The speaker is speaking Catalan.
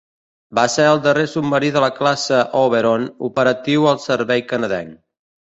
Va ser el darrer submarí de la classe "Oberon" operatiu al servei canadenc.